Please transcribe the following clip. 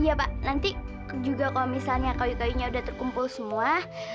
iya pak nanti juga kalau misalnya kayu kayunya udah terkumpul semua